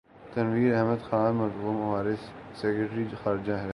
تنویر احمد خان مرحوم ہمارے سیکرٹری خارجہ رہے ہیں۔